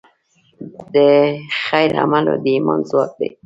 د خیر عمل د ایمان ځواک دی.